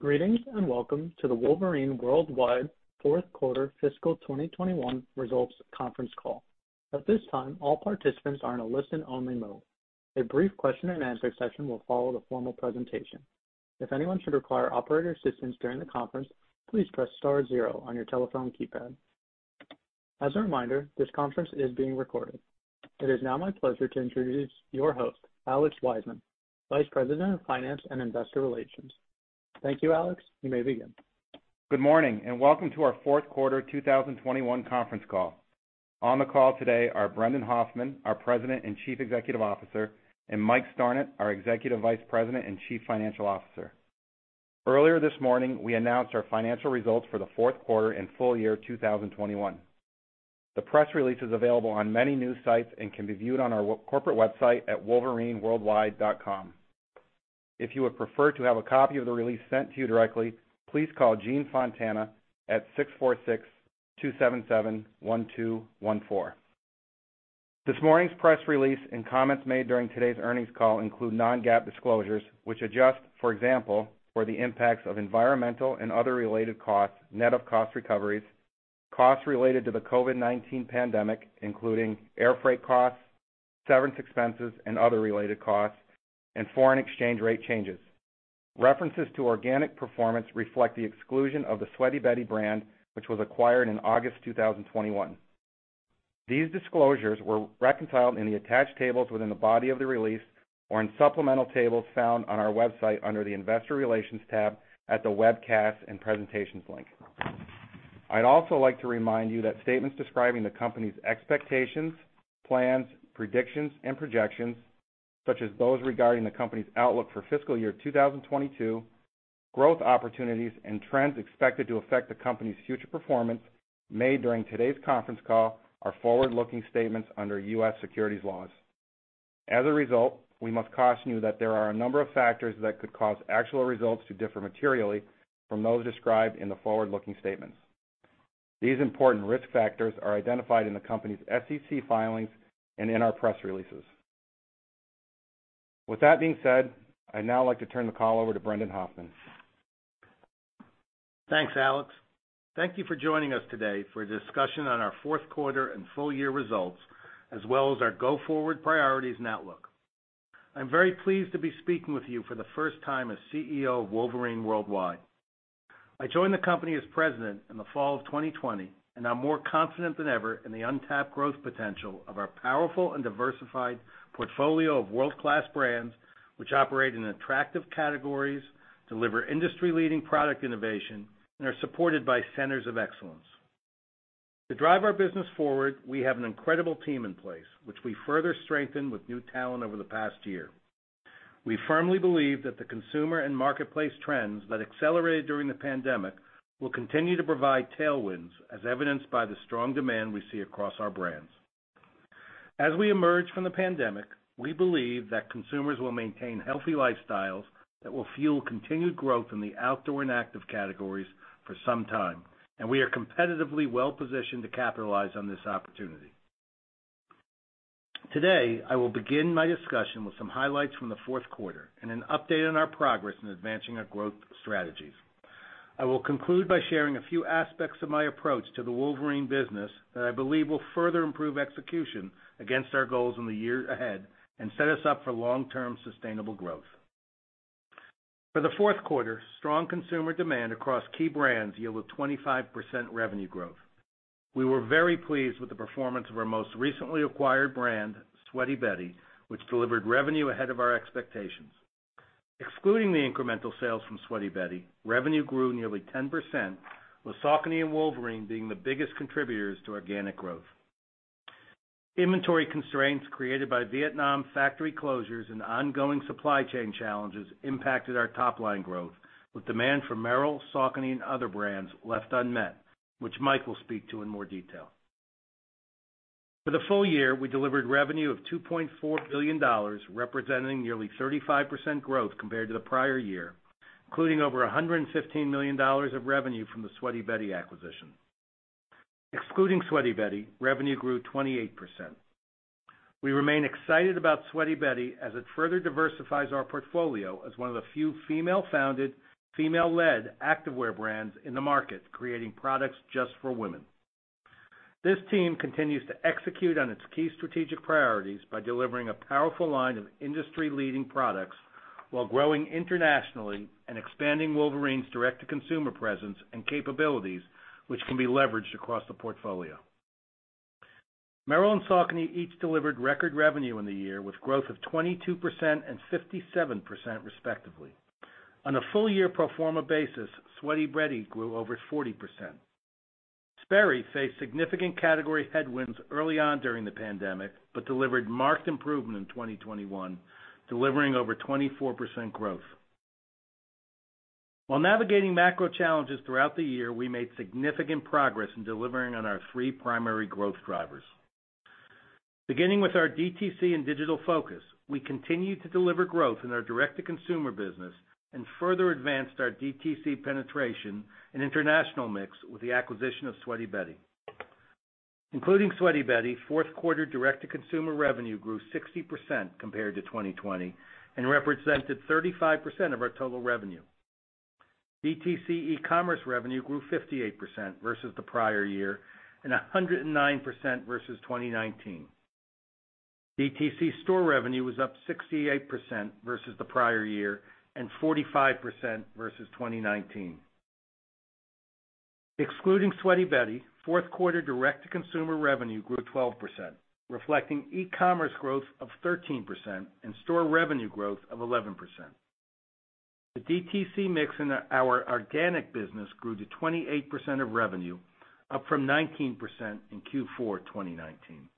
Greetings, and welcome to the Wolverine Worldwide fourth quarter fiscal 2021 results conference call. At this time, all participants are in a listen-only mode. A brief question-and-answer session will follow the formal presentation. If anyone should require operator assistance during the conference, please press star zero on your telephone keypad. As a reminder, this conference is being recorded. It is now my pleasure to introduce your host, Alex Wiseman, Vice President of Finance and Investor Relations. Thank you, Alex. You may begin. Good morning, and welcome to our fourth quarter 2021 conference call. On the call today are Brendan Hoffman, our President and Chief Executive Officer, and Mike Stornant, our Executive Vice President and Chief Financial Officer. Earlier this morning, we announced our financial results for the fourth quarter and full year 2021. The press release is available on many news sites and can be viewed on our corporate website at wolverineworldwide.com. If you would prefer to have a copy of the release sent to you directly, please call Gene Fontana at 646-277-1214. This morning's press release and comments made during today's earnings call include non-GAAP disclosures, which adjust, for example, for the impacts of environmental and other related costs, net of cost recoveries, costs related to the COVID-19 pandemic, including air freight costs, severance expenses, and other related costs, and foreign exchange rate changes. References to organic performance reflect the exclusion of the Sweaty Betty brand, which was acquired in August 2021. These disclosures were reconciled in the attached tables within the body of the release or in supplemental tables found on our website under the Investor Relations tab at the Webcasts and Presentations link. I'd also like to remind you that statements describing the company's expectations, plans, predictions, and projections, such as those regarding the company's outlook for fiscal year 2022, growth opportunities, and trends expected to affect the company's future performance made during today's conference call are forward-looking statementsunder U.S. securities laws. As a result, we must caution you that there are a number of factors that could cause actual results to differ materially from those described in the forward-looking statements. These important risk factors are identified in the company's SEC filings and in our press releases. With that being said, I'd now like to turn the call over to Brendan Hoffman. Thanks, Alex. Thank you for joining us today for a discussion on our fourth quarter and full year results, as well as our go-forward priorities and outlook. I'm very pleased to be speaking with you for the first time as CEO of Wolverine World Wide. I joined the company as president in the fall of 2020, and I'm more confident than ever in the untapped growth potential of our powerful and diversified portfolio of world-class brands which operate in attractive categories, deliver industry-leading product innovation, and are supported by centers of excellence. To drive our business forward, we have an incredible team in place, which we further strengthened with new talent over the past year. We firmly believe that the consumer and marketplace trends that accelerated during the pandemic will continue to provide tailwinds, as evidenced by the strong demand we see across our brands. As we emerge from the pandemic, we believe that consumers will maintain healthy lifestyles that will fuel continued growth in the outdoor and active categories for some time, and we are competitively well-positioned to capitalize on this opportunity. Today, I will begin my discussion with some highlights from the fourth quarter and an update on our progress in advancing our growth strategies. I will conclude by sharing a few aspects of my approach to the Wolverine business that I believe will further improve execution against our goals in the year ahead and set us up for long-term sustainable growth. For the fourth quarter, strong consumer demand across key brands yielded 25% revenue growth. We were very pleased with the performance of our most recently acquired brand, Sweaty Betty, which delivered revenue ahead of our expectations. Excluding the incremental sales from Sweaty Betty, revenue grew nearly 10%, with Saucony and Wolverine being the biggest contributors to organic growth. Inventory constraints created by Vietnam factory closures and ongoing supply chain challenges impacted our top-line growth, with demand for Merrell, Saucony, and other brands left unmet, which Mike will speak to in more detail. For the full year, we delivered revenue of $2.4 billion, representing nearly 35% growth compared to the prior year, including over $115 million of revenue from the Sweaty Betty acquisition. Excluding Sweaty Betty, revenue grew 28%. We remain excited about Sweaty Betty as it further diversifies our portfolio as one of the few female-founded, female-led activewear brands in the market, creating products just for women. This team continues to execute on its key strategic priorities by delivering a powerful line of industry-leading products while growing internationally and expanding Wolverine's direct-to-consumer presence and capabilities, which can be leveraged across the portfolio. Merrell and Saucony each delivered record revenue in the year, with growth of 22% and 57% respectively. On a full year pro forma basis, Sweaty Betty grew over 40%. Sperry faced significant category headwinds early on during the pandemic, but delivered marked improvement in 2021, delivering over 24% growth. While navigating macro challenges throughout the year, we made significant progress in delivering on our three primary growth drivers. Beginning with our DTC and digital focus, we continued to deliver growth in our direct-to-consumer business and further advanced our DTC penetration and international mix with the acquisition of Sweaty Betty. Including Sweaty Betty, fourth quarter direct-to-consumer revenue grew 60% compared to 2020, and represented 35% of our total revenue. DTC e-commerce revenue grew 58% versus the prior year, and 109% versus 2019. DTC store revenue was up 68% versus the prior year, and 45% versus 2019. Excluding Sweaty Betty, fourth quarter direct-to-consumer revenue grew 12%, reflecting e-commerce growth of 13% and store revenue growth of 11%. The DTC mix in our organic business grew to 28% of revenue, up from 19% in Q4 2019.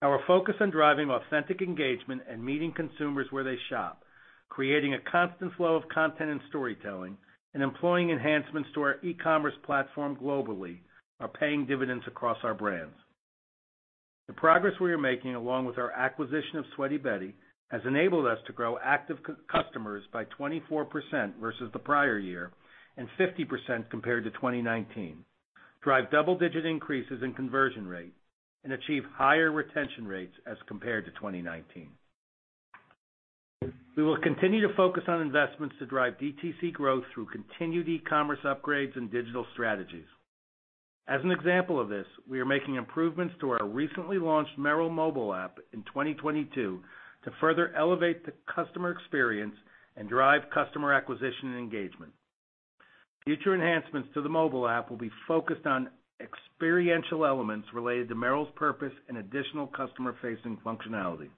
Our focus on driving authentic engagement and meeting consumers where they shop, creating a constant flow of content and storytelling, and employing enhancements to our e-commerce platform globally are paying dividends across our brands. The progress we are making, along with our acquisition of Sweaty Betty, has enabled us to grow active customers by 24% versus the prior year, and 50% compared to 2019, drive double-digit increases in conversion rate, and achieve higher retention rates as compared to 2019. We will continue to focus on investments to drive DTC growth through continued e-commerce upgrades and digital strategies. As an example of this, we are making improvements to our recently launched Merrell mobile app in 2022 to further elevate the customer experience and drive customer acquisition and engagement. Future enhancements to the mobile app will be focused on experiential elements related to Merrell's purpose and additional customer-facing functionality.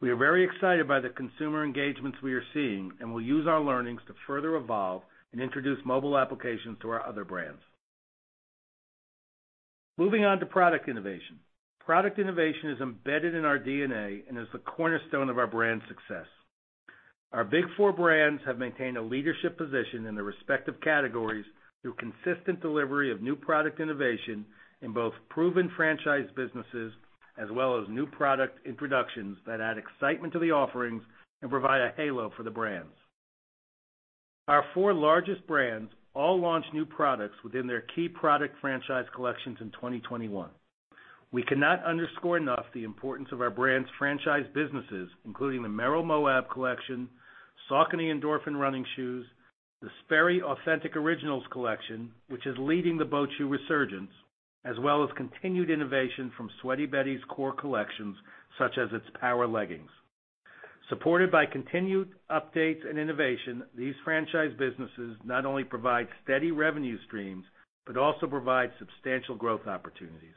We are very excited by the consumer engagements we are seeing, and we'll use our learnings to further evolve and introduce mobile applications to our other brands. Moving on to product innovation. Product innovation is embedded in our DNA and is the cornerstone of our brand success. Our big four brands have maintained a leadership position in their respective categories through consistent delivery of new product innovation in both proven franchise businesses as well as new product introductions that add excitement to the offerings and provide a halo for the brands. Our four largest brands all launched new products within their key product franchise collections in 2021. We cannot underscore enough the importance of our brands' franchise businesses, including the Merrell Moab collection, Saucony Endorphin running shoes, the Sperry Authentic Original collection, which is leading the boat shoe resurgence, as well as continued innovation from Sweaty Betty's core collections, such as its power leggings. Supported by continued updates and innovation, these franchise businesses not only provide steady revenue streams, but also provide substantial growth opportunities.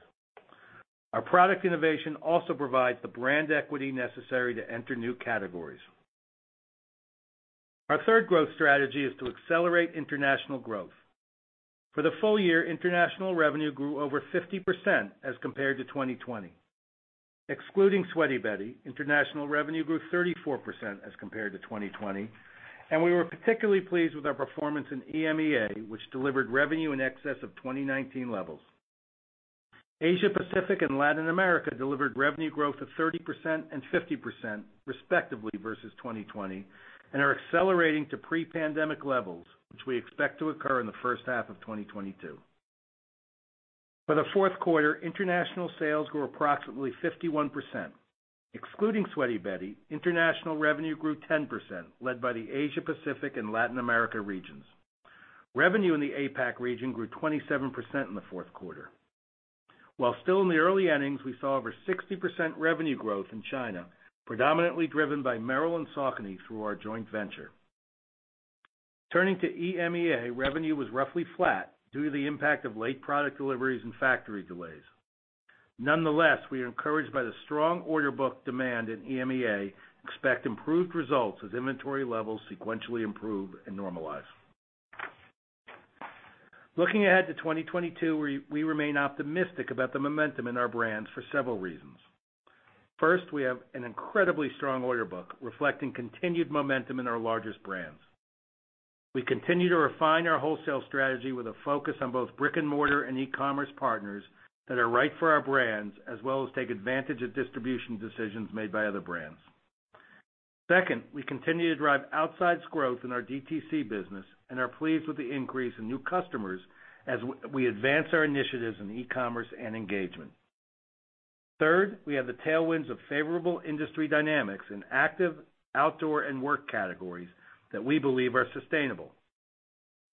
Our product innovation also provides the brand equity necessary to enter new categories. Our third growth strategy is to accelerate international growth. For the full year, international revenue grew over 50% as compared to 2020. Excluding Sweaty Betty, international revenue grew 34% as compared to 2020, and we were particularly pleased with our performance in EMEA, which delivered revenue in excess of 2019 levels. Asia Pacific and Latin America delivered revenue growth of 30% and 50% respectively versus 2020, and are accelerating to pre-pandemic levels, which we expect to occur in the first half of 2022. For the fourth quarter, international sales grew approximately 51%. Excluding Sweaty Betty, international revenue grew 10%, led by the Asia Pacific and Latin America regions. Revenue in the APAC region grew 27% in the fourth quarter. While still in the early innings, we saw over 60% revenue growth in China, predominantly driven by Merrell and Saucony through our joint venture. Turning to EMEA, revenue was roughly flat due to the impact of late product deliveries and factory delays. Nonetheless, we are encouraged by the strong order book demand in EMEA, expect improved results as inventory levels sequentially improve and normalize. Looking ahead to 2022, we remain optimistic about the momentum in our brands for several reasons. First, we have an incredibly strong order book reflecting continued momentum in our largest brands. We continue to refine our wholesale strategy with a focus on both brick and mortar and e-commerce partners that are right for our brands, as well as take advantage of distribution decisions made by other brands. Second, we continue to drive outsized growth in our DTC business and are pleased with the increase in new customers as we advance our initiatives in e-commerce and engagement. Third, we have the tailwinds of favorable industry dynamics in active, outdoor, and work categories that we believe are sustainable.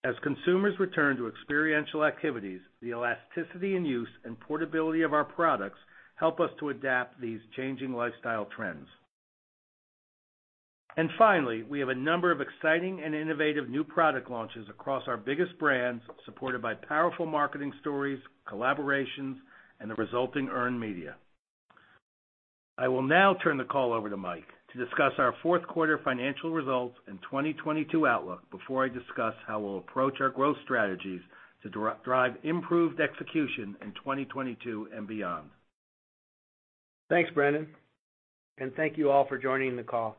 As consumers return to experiential activities, the elasticity and use and portability of our products help us to adapt these changing lifestyle trends. Finally, we have a number of exciting and innovative new product launches across our biggest brands, supported by powerful marketing stories, collaborations, and the resulting earned media. I will now turn the call over to Mike to discuss our fourth quarter financial results and 2022 outlook before I discuss how we'll approach our growth strategies to drive improved execution in 2022 and beyond. Thanks, Brendan. Thank you all for joining the call.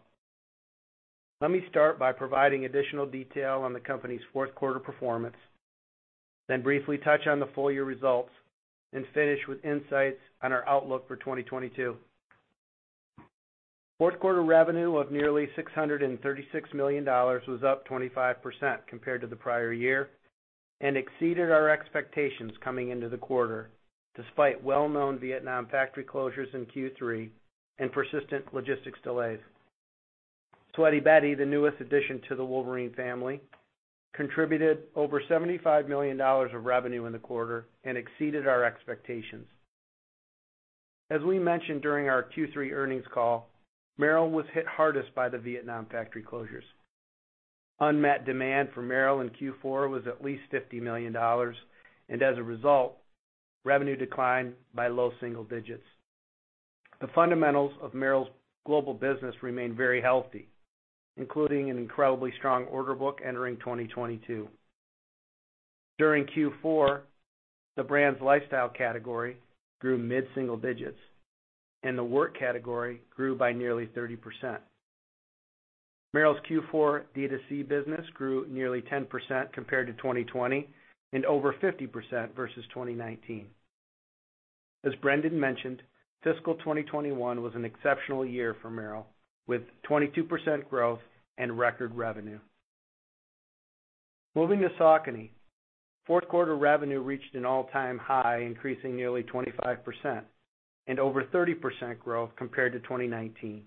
Let me start by providing additional detail on the company's fourth quarter performance, then briefly touch on the full year results and finish with insights on our outlook for 2022. Fourth quarter revenue of nearly $636 million was up 25% compared to the prior year and exceeded our expectations coming into the quarter, despite well-known Vietnam factory closures in Q3 and persistent logistics delays. Sweaty Betty, the newest addition to the Wolverine family, contributed over $75 million of revenue in the quarter and exceeded our expectations. As we mentioned during our Q3 earnings call, Merrell was hit hardest by the Vietnam factory closures. Unmet demand for Merrell in Q4 was at least $50 million, and as a result, revenue declined by low single digits%. The fundamentals of Merrell's global business remain very healthy, including an incredibly strong order book entering 2022. During Q4, the brand's lifestyle category grew mid-single digits, and the work category grew by nearly 30%. Merrell's Q4 DTC business grew nearly 10% compared to 2020 and over 50% versus 2019. As Brendan mentioned, fiscal 2021 was an exceptional year for Merrell, with 22% growth and record revenue. Moving to Saucony, fourth quarter revenue reached an all-time high, increasing nearly 25% and over 30% growth compared to 2019.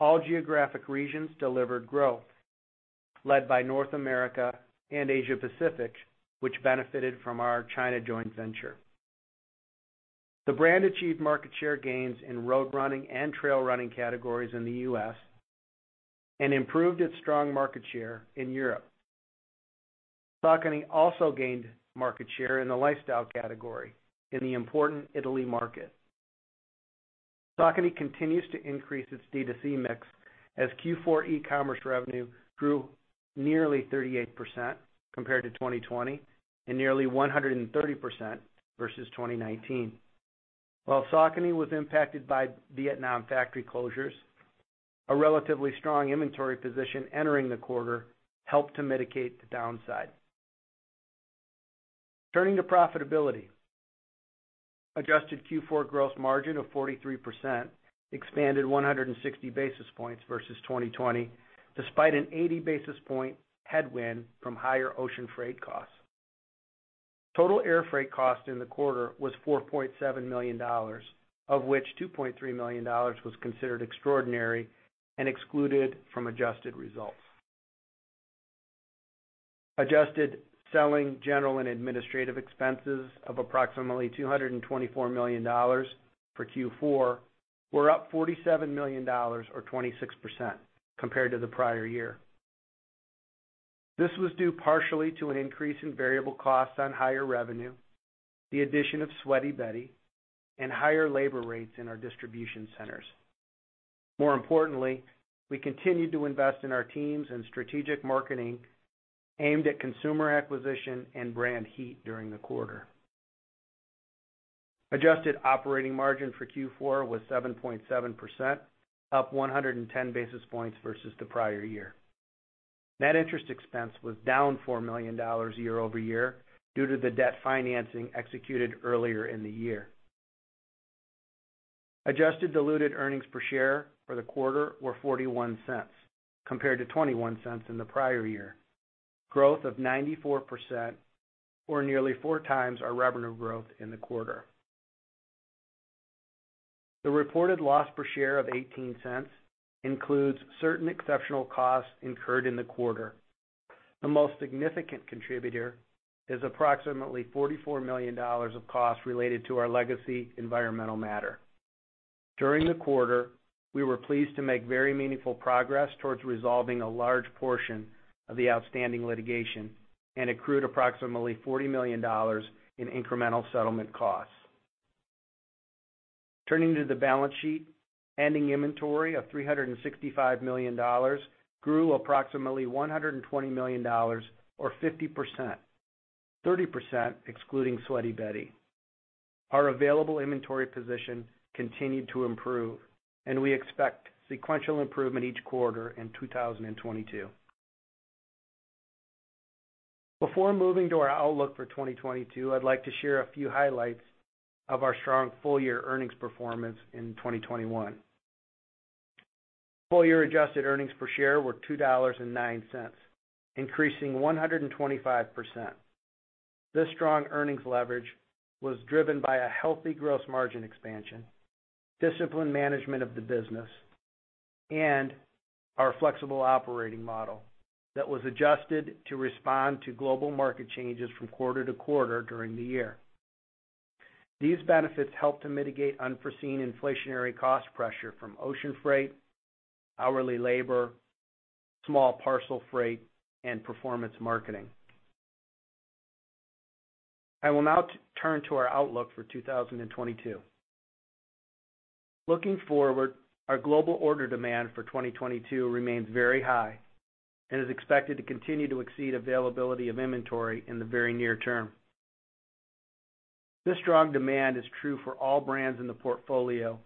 All geographic regions delivered growth, led by North America and Asia Pacific, which benefited from our China joint venture. The brand achieved market share gains in road running and trail running categories in the U.S. and improved its strong market share in Europe. Saucony also gained market share in the lifestyle category in the important Italy market. Saucony continues to increase its DTC mix as Q4 e-commerce revenue grew nearly 38% compared to 2020 and nearly 130% versus 2019. While Saucony was impacted by Vietnam factory closures, a relatively strong inventory position entering the quarter helped to mitigate the downside. Turning to profitability. Adjusted Q4 gross margin of 43% expanded 160 basis points versus 2020, despite an 80 basis point headwind from higher ocean freight costs. Total air freight cost in the quarter was $4.7 million, of which $2.3 million was considered extraordinary and excluded from adjusted results. Adjusted selling general and administrative expenses of approximately $224 million for Q4 were up $47 million or 26% compared to the prior year. This was due partially to an increase in variable costs on higher revenue, the addition of Sweaty Betty, and higher labor rates in our distribution centers. More importantly, we continued to invest in our teams and strategic marketing aimed at consumer acquisition and brand heat during the quarter. Adjusted operating margin for Q4 was 7.7%, up 110 basis points versus the prior year. Net interest expense was down $4 million year-over-year due to the debt financing executed earlier in the year. Adjusted diluted earnings per share for the quarter were $0.41 compared to $0.21 in the prior year, growth of 94% or nearly 4 times our revenue growth in the quarter. The reported loss per share of $0.18 includes certain exceptional costs incurred in the quarter. The most significant contributor is approximately $44 million of costs related to our legacy environmental matter. During the quarter, we were pleased to make very meaningful progress towards resolving a large portion of the outstanding litigation and accrued approximately $40 million in incremental settlement costs. Turning to the balance sheet, ending inventory of $365 million grew approximately $120 million or 50%, 30% excluding Sweaty Betty. Our available inventory position continued to improve, and we expect sequential improvement each quarter in 2022. Before moving to our outlook for 2022, I'd like to share a few highlights of our strong full year earnings performance in 2021. Full year adjusted earnings per share were $2.09, increasing 125%. This strong earnings leverage was driven by a healthy gross margin expansion, disciplined management of the business, and our flexible operating model that was adjusted to respond to global market changes from quarter to quarter during the year. These benefits helped to mitigate unforeseen inflationary cost pressure from ocean freight, hourly labor, small parcel freight, and performance marketing. I will now turn to our outlook for 2022. Looking forward, our global order demand for 2022 remains very high and is expected to continue to exceed availability of inventory in the very near term. This strong demand is true for all brands in the portfolio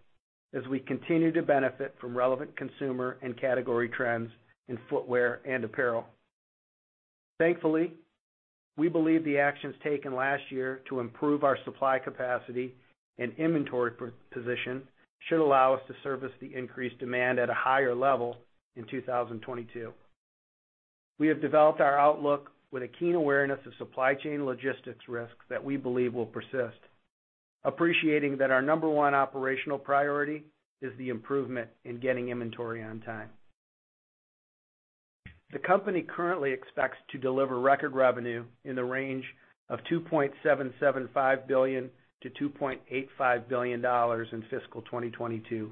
as we continue to benefit from relevant consumer and category trends in footwear and apparel. Thankfully, we believe the actions taken last year to improve our supply capacity and inventory position should allow us to service the increased demand at a higher level in 2022. We have developed our outlook with a keen awareness of supply chain logistics risks that we believe will persist, appreciating that our number one operational priority is the improvement in getting inventory on time. The company currently expects to deliver record revenue in the range of $2.775 billion-$2.85 billion in fiscal 2022,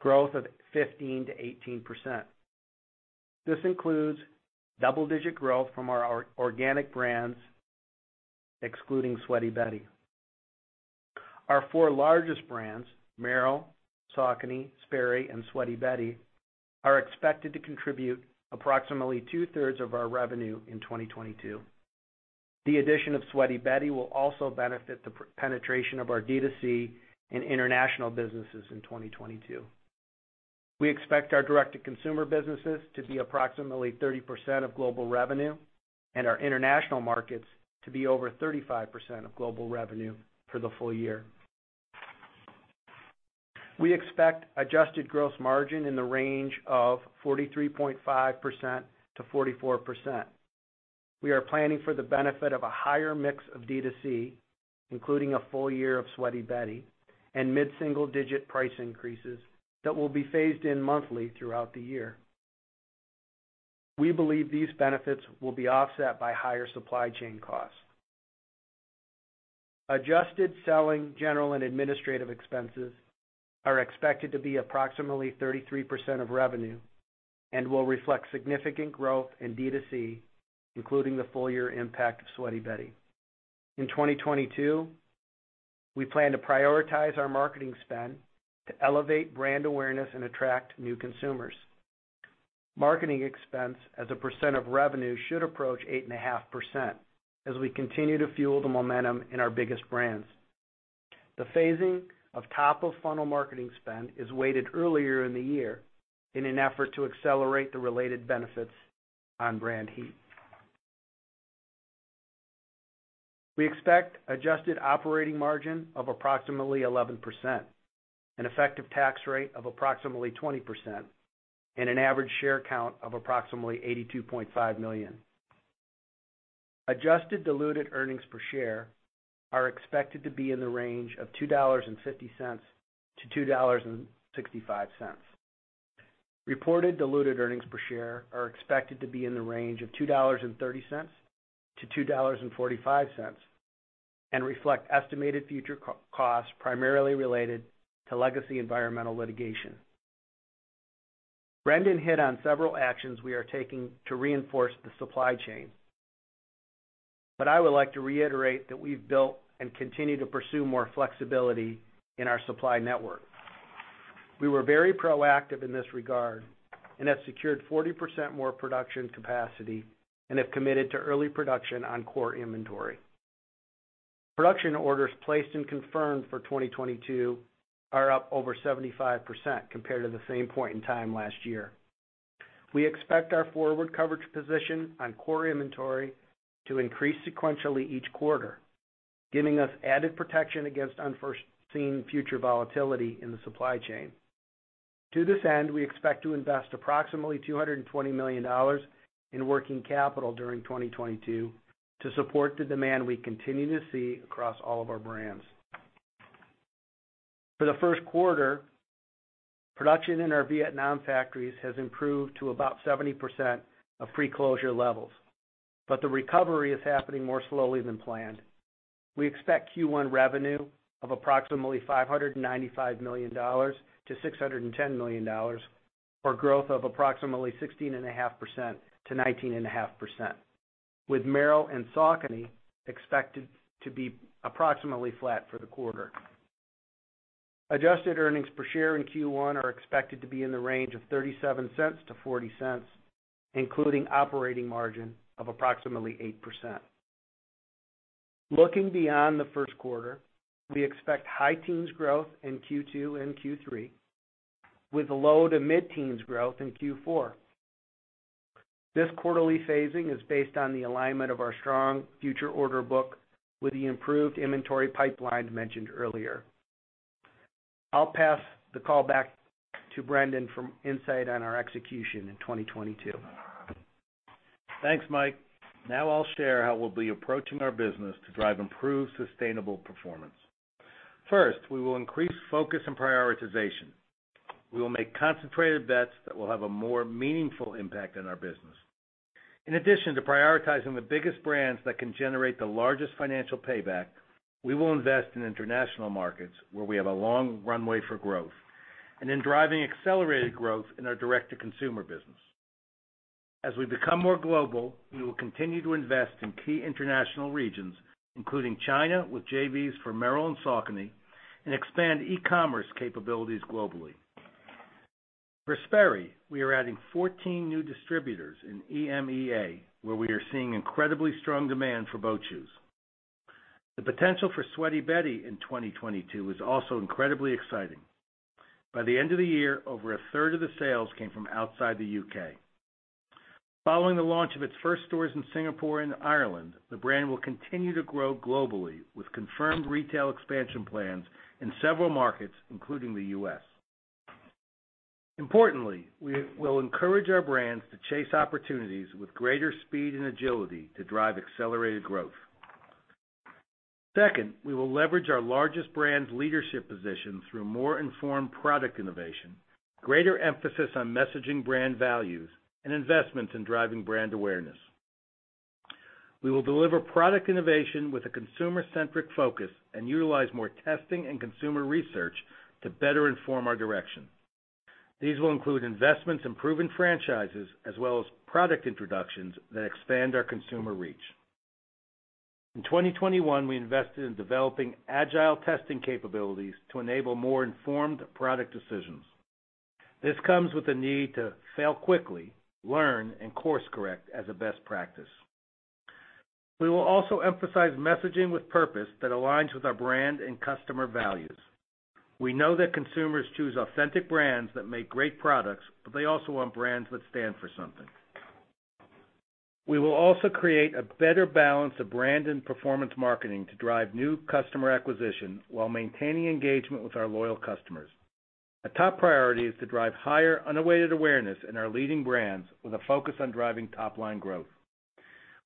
growth of 15%-18%. This includes double-digit growth from our organic brands, excluding Sweaty Betty. Our four largest brands, Merrell, Saucony, Sperry, and Sweaty Betty, are expected to contribute approximately two-thirds of our revenue in 2022. The addition of Sweaty Betty will also benefit the penetration of our D2C and international businesses in 2022. We expect our direct to consumer businesses to be approximately 30% of global revenue and our international markets to be over 35% of global revenue for the full year. We expect adjusted gross margin in the range of 43.5%-44%. We are planning for the benefit of a higher mix of D2C, including a full year of Sweaty Betty and mid-single digit price increases that will be phased in monthly throughout the year. We believe these benefits will be offset by higher supply chain costs. Adjusted selling, general, and administrative expenses are expected to be approximately 33% of revenue and will reflect significant growth in D2C, including the full year impact of Sweaty Betty. In 2022, we plan to prioritize our marketing spend to elevate brand awareness and attract new consumers. Marketing expense as a percent of revenue should approach 8.5% as we continue to fuel the momentum in our biggest brands. The phasing of top of funnel marketing spend is weighted earlier in the year in an effort to accelerate the related benefits on brand heat. We expect adjusted operating margin of approximately 11%, an effective tax rate of approximately 20%, and an average share count of approximately 82.5 million. Adjusted diluted earnings per share are expected to be in the range of $2.50-$2.65. Reported diluted earnings per share are expected to be in the range of $2.30-$2.45, and reflect estimated future costs primarily related to legacy environmental litigation. Brendan hit on several actions we are taking to reinforce the supply chain. I would like to reiterate that we've built and continue to pursue more flexibility in our supply network. We were very proactive in this regard and have secured 40% more production capacity, and have committed to early production on core inventory. Production orders placed and confirmed for 2022 are up over 75% compared to the same point in time last year. We expect our forward coverage position on core inventory to increase sequentially each quarter, giving us added protection against unforeseen future volatility in the supply chain. To this end, we expect to invest approximately $220 million in working capital during 2022 to support the demand we continue to see across all of our brands. For the first quarter, production in our Vietnam factories has improved to about 70% of pre-closure levels, but the recovery is happening more slowly than planned. We expect Q1 revenue of approximately $595 million-$610 million, or growth of approximately 16.5%-19.5%, with Merrell and Saucony expected to be approximately flat for the quarter. Adjusted earnings per share in Q1 are expected to be in the range of $0.37-$0.40, including operating margin of approximately 8%. Looking beyond the first quarter, we expect high-teens growth in Q2 and Q3, with low- to mid-teens growth in Q4. This quarterly phasing is based on the alignment of our strong future order book with the improved inventory pipeline mentioned earlier. I'll pass the call back to Brendan for insights on our execution in 2022. Thanks, Mike. Now I'll share how we'll be approaching our business to drive improved, sustainable performance. First, we will increase focus and prioritization. We will make concentrated bets that will have a more meaningful impact on our business. In addition to prioritizing the biggest brands that can generate the largest financial payback, we will invest in international markets where we have a long runway for growth, and in driving accelerated growth in our direct to consumer business. As we become more global, we will continue to invest in key international regions, including China, with JVs for Merrell and Saucony, and expand e-commerce capabilities globally. For Sperry, we are adding 14 new distributors in EMEA, where we are seeing incredibly strong demand for boat shoes. The potential for Sweaty Betty in 2022 is also incredibly exciting. By the end of the year, over a third of the sales came from outside the U.K. Following the launch of its first stores in Singapore and Ireland, the brand will continue to grow globally with confirmed retail expansion plans in several markets, including the U.S. Importantly, we will encourage our brands to chase opportunities with greater speed and agility to drive accelerated growth. Second, we will leverage our largest brand's leadership position through more informed product innovation, greater emphasis on messaging brand values, and investments in driving brand awareness. We will deliver product innovation with a consumer-centric focus and utilize more testing and consumer research to better inform our direction. These will include investments in proven franchises as well as product introductions that expand our consumer reach. In 2021, we invested in developing agile testing capabilities to enable more informed product decisions. This comes with the need to fail quickly, learn, and course correct as a best practice. We will also emphasize messaging with purpose that aligns with our brand and customer values. We know that consumers choose authentic brands that make great products, but they also want brands that stand for something. We will also create a better balance of brand and performance marketing to drive new customer acquisition while maintaining engagement with our loyal customers. A top priority is to drive higher unaided awareness in our leading brands with a focus on driving top line growth.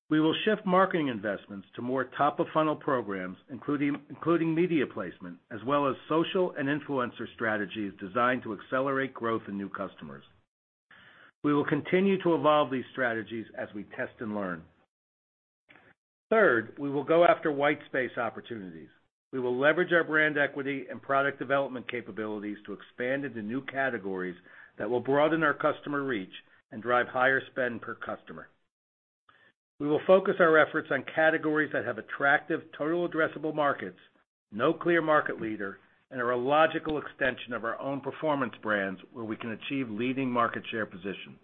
We will shift marketing investments to more top of funnel programs, including media placement, as well as social and influencer strategies designed to accelerate growth in new customers. We will continue to evolve these strategies as we test and learn. Third, we will go after white space opportunities. We will leverage our brand equity and product development capabilities to expand into new categories that will broaden our customer reach and drive higher spend per customer. We will focus our efforts on categories that have attractive total addressable markets, no clear market leader, and are a logical extension of our own performance brands where we can achieve leading market share position.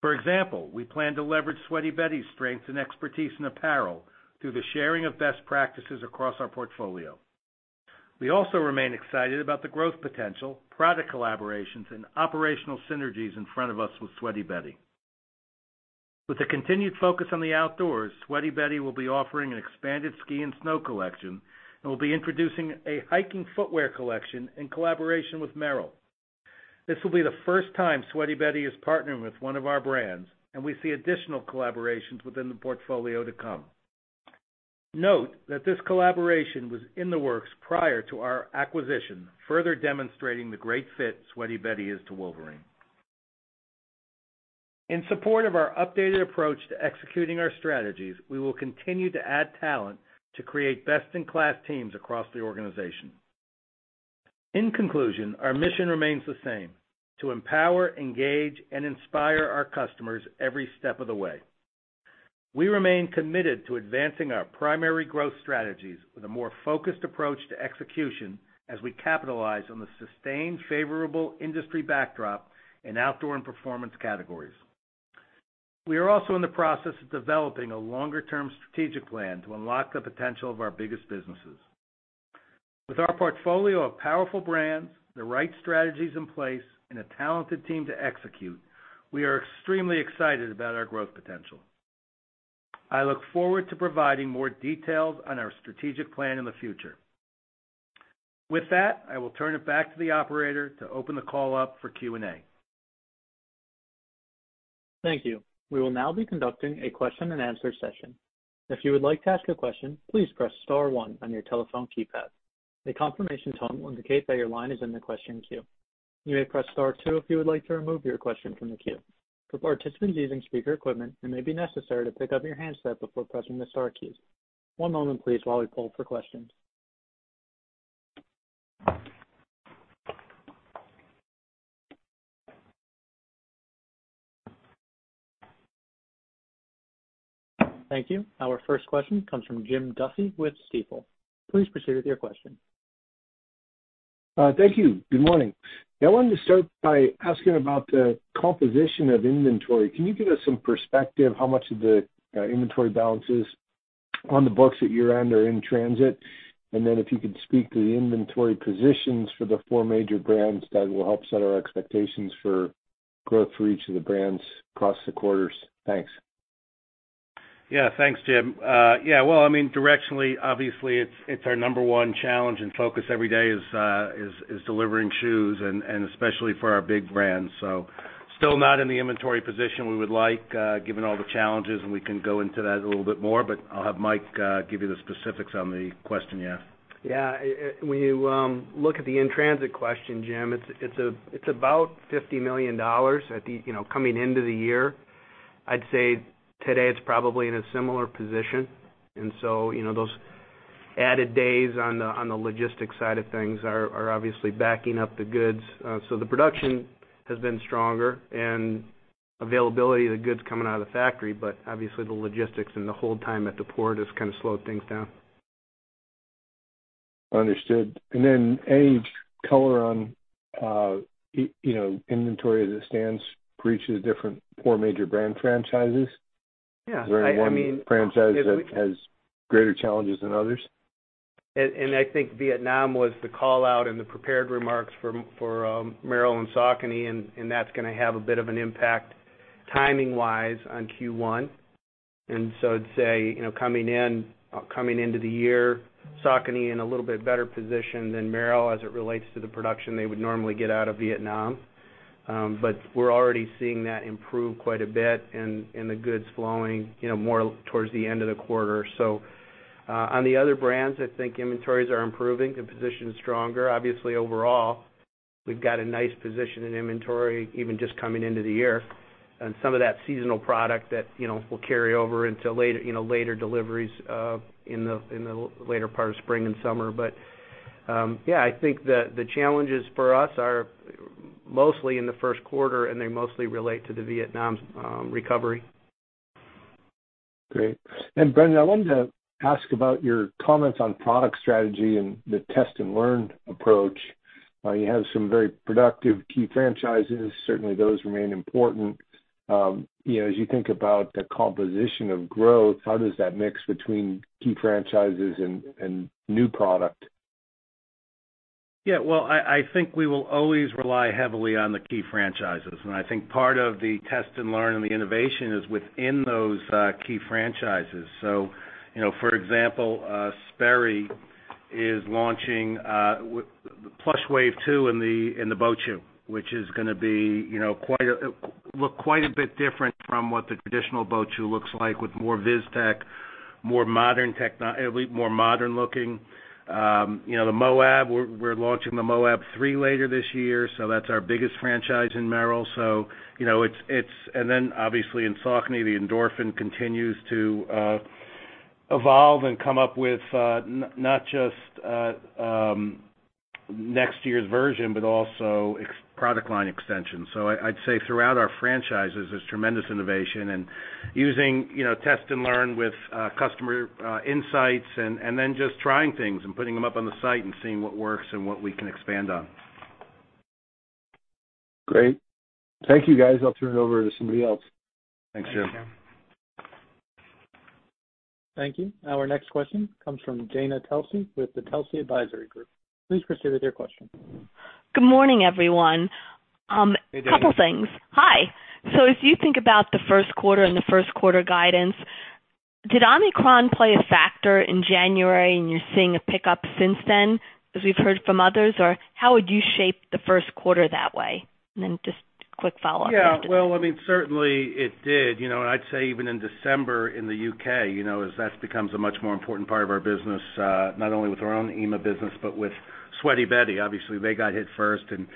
For example, we plan to leverage Sweaty Betty's strengths and expertise in apparel through the sharing of best practices across our portfolio. We also remain excited about the growth potential, product collaborations and operational synergies in front of us with Sweaty Betty. With a continued focus on the outdoors, Sweaty Betty will be offering an expanded ski and snow collection and will be introducing a hiking footwear collection in collaboration with Merrell. This will be the first time Sweaty Betty is partnering with one of our brands, and we see additional collaborations within the portfolio to come. Note that this collaboration was in the works prior to our acquisition, further demonstrating the great fit Sweaty Betty is to Wolverine. In support of our updated approach to executing our strategies, we will continue to add talent to create best-in-class teams across the organization. In conclusion, our mission remains the same, to empower, engage, and inspire our customers every step of the way. We remain committed to advancing our primary growth strategies with a more focused approach to execution as we capitalize on the sustained favorable industry backdrop in outdoor and performance categories. We are also in the process of developing a longer-term strategic plan to unlock the potential of our biggest businesses. With our portfolio of powerful brands, the right strategies in place, and a talented team to execute, we are extremely excited about our growth potential. I look forward to providing more details on our strategic plan in the future. With that, I will turn it back to the operator to open the call up for Q&A. Thank you. We will now be conducting a question and answer session. If you would like to ask a question, please press star one on your telephone keypad. A confirmation tone will indicate that your line is in the question queue. You may press star two if you would like to remove your question from the queue. For participants using speaker equipment, it may be necessary to pick up your handset before pressing the star keys. One moment please while we poll for questions. Thank you. Our first question comes from Jim Duffy with Stifel. Please proceed with your question. Thank you. Good morning. I wanted to start by asking about the composition of inventory. Can you give us some perspective on how much of the inventory balance is on the books at year-end or in transit? Then if you could speak to the inventory positions for the four major brands, that will help set our expectations for growth for each of the brands across the quarters. Thanks. Yeah. Thanks, Jim. Yeah, well, I mean, directionally, obviously it's our number one challenge and focus every day is delivering shoes and especially for our big brands. Still not in the inventory position we would like, given all the challenges, and we can go into that a little bit more, but I'll have Mike give you the specifics on the question you asked. When you look at the in-transit question, Jim, it's about $50 million at the, you know, coming into the year. I'd say today it's probably in a similar position. You know, those added days on the logistics side of things are obviously backing up the goods. The production has been stronger and availability of the goods coming out of the factory, but obviously the logistics and the hold time at the port has kind of slowed things down. Understood. Any color on, you know, inventory as it stands for each of the different four major brand franchises? Yeah, I mean Is there any one franchise that has greater challenges than others? I think Vietnam was the call-out in the prepared remarks for Merrell and Saucony, and that's gonna have a bit of an impact timing-wise on Q1. I'd say, you know, coming into the year, Saucony in a little bit better position than Merrell as it relates to the production they would normally get out of Vietnam. But we're already seeing that improve quite a bit and the goods flowing, you know, more towards the end of the quarter. On the other brands, I think inventories are improving, the position is stronger. Obviously, overall, we've got a nice position in inventory, even just coming into the year. Some of that seasonal product that, you know, will carry over into later, you know, deliveries in the later part of spring and summer. Yeah, I think the challenges for us are mostly in the first quarter, and they mostly relate to the Vietnam recovery. Great. Brendan, I wanted to ask about your comments on product strategy and the test and learn approach. You have some very productive key franchises. Certainly, those remain important. You know, as you think about the composition of growth, how does that mix between key franchises and new product? Yeah. Well, I think we will always rely heavily on the key franchises. I think part of the test and learn and the innovation is within those key franchises. You know, for example, Sperry is launching PLUSHWAVE 2.0 in the boat shoe, which is gonna be, you know, look quite a bit different from what the traditional boat shoe looks like with more viz tech, more modern looking. You know, the Moab, we're launching the Moab three later this year, so that's our biggest franchise in Merrell. You know, obviously, in Saucony, the Endorphin continues to evolve and come up with not just next year's version, but also product line extensions. I'd say throughout our franchises, there's tremendous innovation, and using, you know, test and learn with customer insights and then just trying things and putting them up on the site and seeing what works and what we can expand on. Great. Thank you, guys. I'll turn it over to somebody else. Thanks, Jim. Thank you. Our next question comes from Dana Telsey with the Telsey Advisory Group. Please proceed with your question. Good morning, everyone. Hey, Dana. Couple things. Hi. If you think about the first quarter and the first quarter guidance, did Omicron play a factor in January, and you're seeing a pickup since then, as we've heard from others? Or how would you shape the first quarter that way? Just a quick follow-up after. Yeah. Well, I mean, certainly it did. You know, and I'd say even in December in the U.K., you know, as that's becomes a much more important part of our business, not only with our own EMA business, but with Sweaty Betty. Obviously, they got hit first, and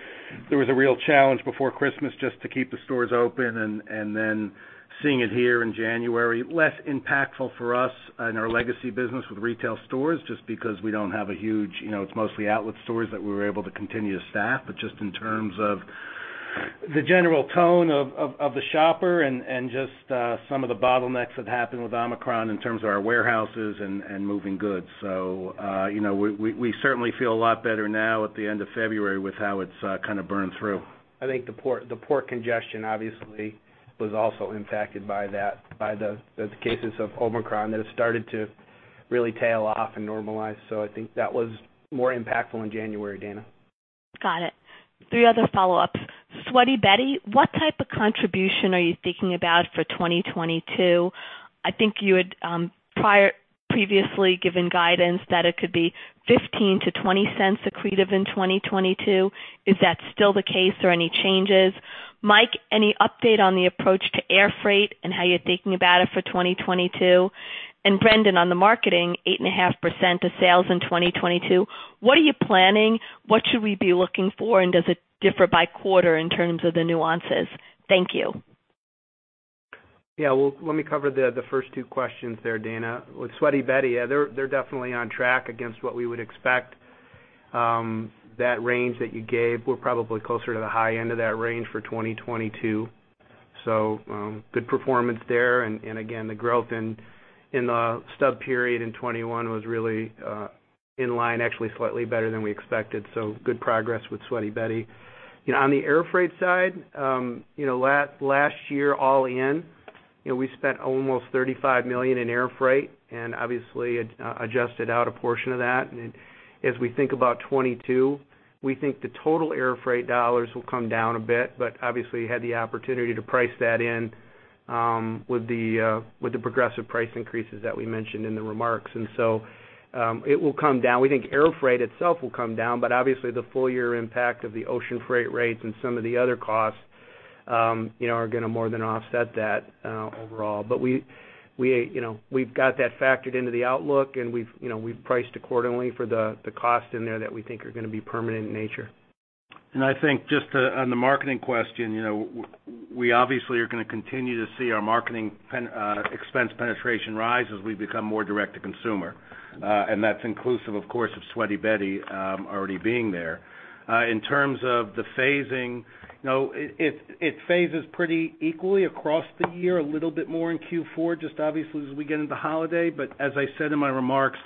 there was a real challenge before Christmas just to keep the stores open and then seeing it here in January, less impactful for us in our legacy business with retail stores just because we don't have a huge, you know, it's mostly outlet stores that we were able to continue to staff. But just in terms of the general tone of the shopper and just some of the bottlenecks that happened with Omicron in terms of our warehouses and moving goods. You know, we certainly feel a lot better now at the end of February with how it's kind of burned through. I think the port congestion obviously was also impacted by that, by the cases of Omicron that have started to really tail off and normalize. I think that was more impactful in January, Dana. Got it. Three other follow-ups. Sweaty Betty, what type of contribution are you thinking about for 2022? I think you had previously given guidance that it could be $0.15-$0.20 accretive in 2022. Is that still the case or any changes? Mike, any update on the approach to air freight and how you're thinking about it for 2022? Brendan, on the marketing 8.5% of sales in 2022, what are you planning? What should we be looking for, and does it differ by quarter in terms of the nuances? Thank you. Yeah. Well, let me cover the first two questions there, Dana. With Sweaty Betty, yeah, they're definitely on track against what we would expect. That range that you gave, we're probably closer to the high end of that range for 2022. Good performance there. Again, the growth in the stub period in 2021 was really in line, actually slightly better than we expected. Good progress with Sweaty Betty. You know, on the air freight side, you know, last year all in, you know, we spent almost $35 million in air freight and obviously adjusted out a portion of that. As we think about 2022, we think the total air freight dollars will come down a bit, but obviously we had the opportunity to price that in with the progressive price increases that we mentioned in the remarks. It will come down. We think air freight itself will come down, but obviously the full year impact of the ocean freight rates and some of the other costs, you know, are gonna more than offset that overall. We you know, we've got that factored into the outlook and we've priced accordingly for the cost in there that we think are gonna be permanent in nature. I think just on the marketing question, you know, we obviously are gonna continue to see our marketing expense penetration rise as we become more direct to consumer. That's inclusive, of course, of Sweaty Betty, already being there. In terms of the phasing, you know, it phases pretty equally across the year, a little bit more in Q4, just obviously as we get into holiday. As I said in my remarks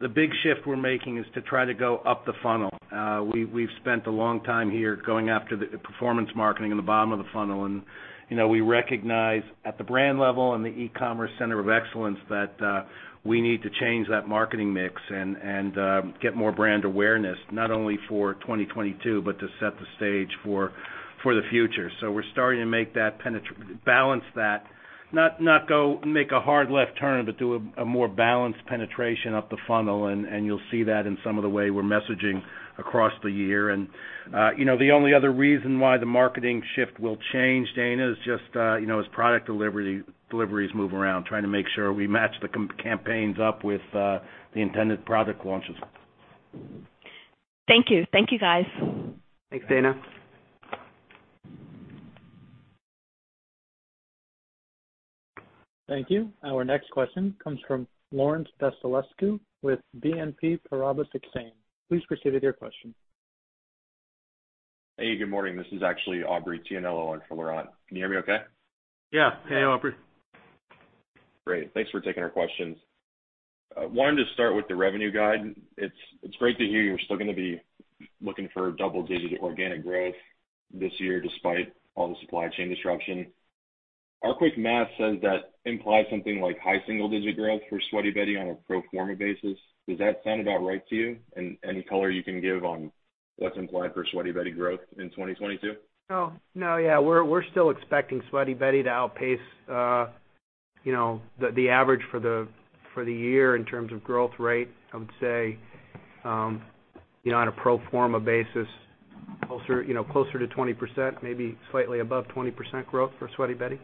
The big shift we're making is to try to go up the funnel. We've spent a long time here going after the performance marketing in the bottom of the funnel, and you know, we recognize at the brand level and the e-commerce center of excellence that we need to change that marketing mix and get more brand awareness, not only for 2022 but to set the stage for the future. We're starting to balance that, not going to make a hard left turn, but to do a more balanced penetration up the funnel, and you'll see that in some of the ways we're messaging across the year. You know, the only other reason why the marketing shift will change, Dana, is just, you know, as product deliveries move around, trying to make sure we match the campaigns up with the intended product launches. Thank you. Thank you, guys. Thanks, Dana. Thank you. Our next question comes from Laurent Vasilescu with BNP Paribas Exane. Please proceed with your question. Hey, good morning. This is actually Aubrey Tianello in for Lauren. Can you hear me okay? Yeah. Hey, Aubrey. Great. Thanks for taking our questions. I wanted to start with the revenue guide. It's great to hear you're still gonna be looking for double-digit organic growth this year, despite all the supply chain disruption. Our quick math says that implies something like high single-digit growth for Sweaty Betty on a pro forma basis. Does that sound about right to you? And any color you can give on what's implied for Sweaty Betty growth in 2022? No, yeah. We're still expecting Sweaty Betty to outpace, you know, the average for the year in terms of growth rate. I would say, you know, on a pro forma basis, closer, you know, closer to 20%, maybe slightly above 20% growth for Sweaty Betty.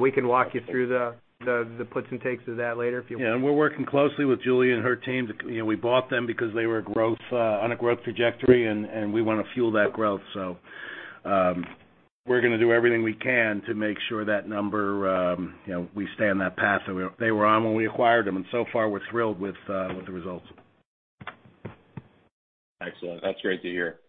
We can walk you through the puts and takes of that later if you want. Yeah. We're working closely with Julie and her team. You know, we bought them because they were on a growth trajectory, and we wanna fuel that growth. We're gonna do everything we can to make sure that number, you know, we stay on that path they were on when we acquired them. So far, we're thrilled with the results. Excellent. That's great to hear.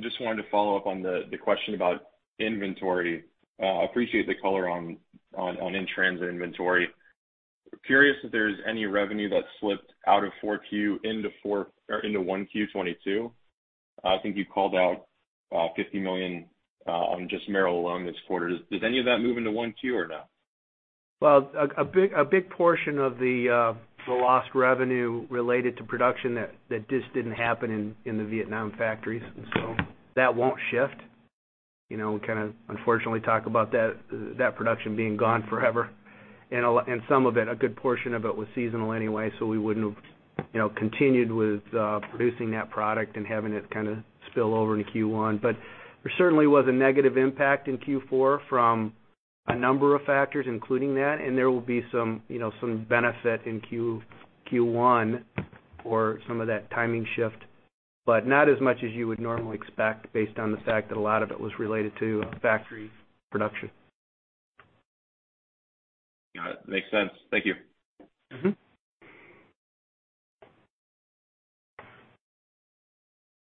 Just wanted to follow up on the question about inventory. Appreciate the color on in-transit inventory. Curious if there's any revenue that slipped out of 4Q into 1Q 2022. I think you called out $50 million on just Merrell alone this quarter. Did any of that move into 1Q 2022 or no? Well, a big portion of the lost revenue related to production that just didn't happen in the Vietnam factories. That won't shift. You know, we kinda unfortunately talk about that production being gone forever. Some of it, a good portion of it was seasonal anyway, so we wouldn't have, you know, continued with producing that product and having it kinda spill over into Q1. There certainly was a negative impact in Q4 from a number of factors, including that, and there will be some, you know, some benefit in Q1 for some of that timing shift. Not as much as you would normally expect based on the fact that a lot of it was related to factory production. Got it. Makes sense. Thank you. Mm-hmm.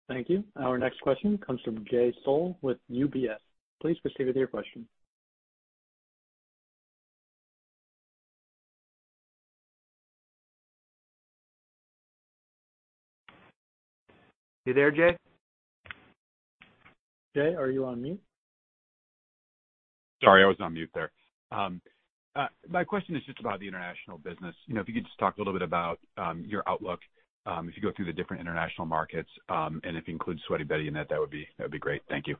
Thank you. Our next question comes from Jay Sole with UBS. Please proceed with your question. You there, Jay? Jay, are you on mute? Sorry, I was on mute there. My question is just about the international business. You know, if you could just talk a little bit about your outlook, if you go through the different international markets, and if you include Sweaty Betty in that would be great. Thank you.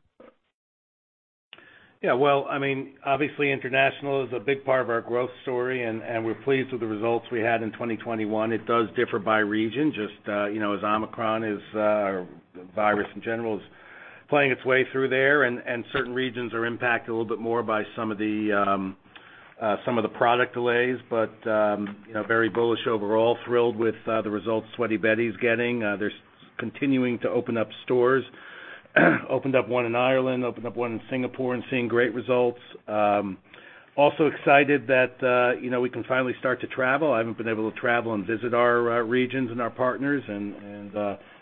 Yeah. Well, I mean, obviously international is a big part of our growth story, and we're pleased with the results we had in 2021. It does differ by region, just, you know, as Omicron is, or the virus in general is playing its way through there. Certain regions are impacted a little bit more by some of the product delays. You know, very bullish overall. Thrilled with the results Sweaty Betty's getting. They're continuing to open up stores. Opened up one in Ireland, opened up one in Singapore, and seeing great results. Also excited that, you know, we can finally start to travel. I haven't been able to travel and visit our regions and our partners and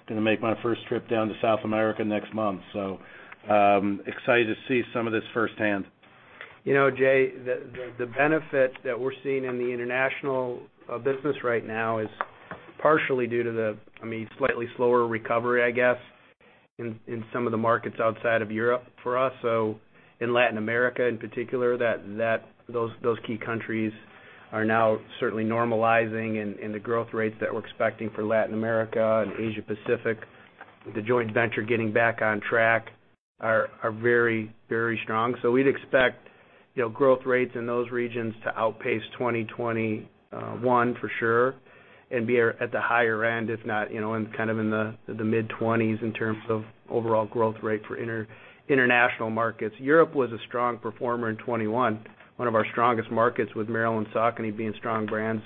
gonna make my first trip down to South America next month. Excited to see some of this firsthand. You know, Jay, the benefit that we're seeing in the international business right now is partially due to the, I mean, slightly slower recovery, I guess, in some of the markets outside of Europe for us. In Latin America, in particular, those key countries are now certainly normalizing in the growth rates that we're expecting for Latin America and Asia Pacific. The joint venture getting back on track are very strong. We'd expect, you know, growth rates in those regions to outpace 2021 for sure, and be at the higher end, if not, you know, in the mid 20s% in terms of overall growth rate for international markets. Europe was a strong performer in 2021, one of our strongest markets with Merrell and Saucony being strong brands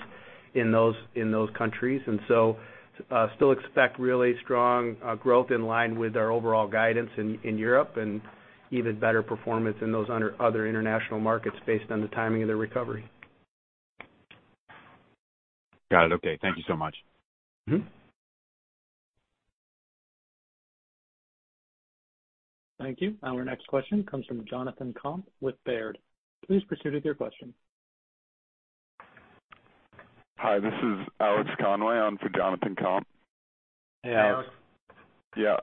in those countries. Still expect really strong growth in line with our overall guidance in Europe and even better performance in those other international markets based on the timing of their recovery. Got it. Okay. Thank you so much. Mm-hmm. Thank you. Our next question comes from Jonathan Komp with Baird. Please proceed with your question. Hi, this is Alex Conway on for Jonathan Komp. Hey, Alex. Yeah.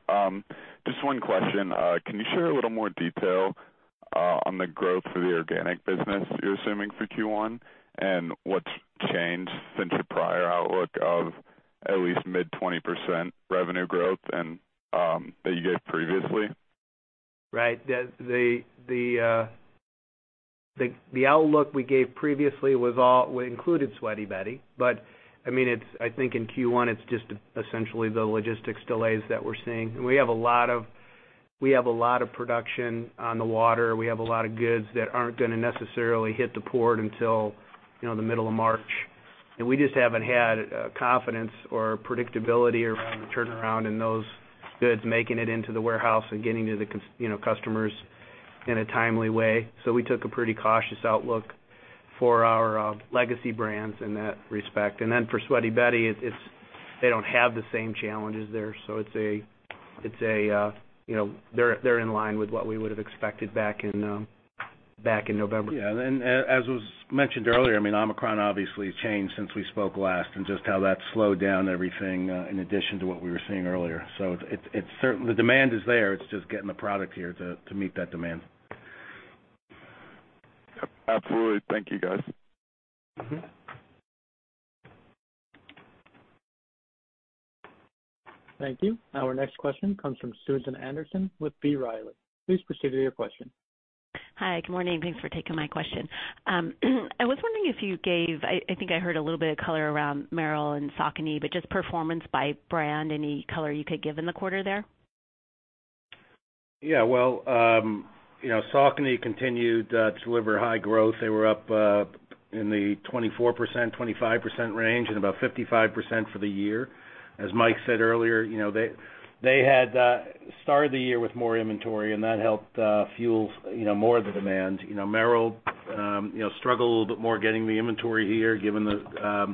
Just one question. Can you share a little more detail on the growth of the organic business you're assuming for Q1, and what's changed since your prior outlook of at least mid 20% revenue growth and that you gave previously? Right. The outlook we gave previously included Sweaty Betty. I mean, I think in Q1 it's just essentially the logistics delays that we're seeing. We have a lot of production on the water. We have a lot of goods that aren't gonna necessarily hit the port until, you know, the middle of March. We just haven't had confidence or predictability around the turnaround in those goods making it into the warehouse and getting to the customers in a timely way. We took a pretty cautious outlook for our legacy brands in that respect. Then for Sweaty Betty, it's they don't have the same challenges there. It's a, you know, they're in line with what we would have expected back in November. As was mentioned earlier, I mean, Omicron obviously changed since we spoke last and just how that slowed down everything, in addition to what we were seeing earlier. It's certain the demand is there. It's just getting the product here to meet that demand. Absolutely. Thank you, guys. Mm-hmm. Thank you. Our next question comes from Susan Anderson with B. Riley. Please proceed with your question. Hi. Good morning. Thanks for taking my question. I think I heard a little bit of color around Merrell and Saucony, but just performance by brand, any color you could give in the quarter there? Yeah. Well, you know, Saucony continued to deliver high growth. They were up in the 24%-25% range and about 55% for the year. As Mike said earlier, you know, they had started the year with more inventory, and that helped fuel you know, more of the demand. You know, Merrell you know, struggled a little bit more getting the inventory here given the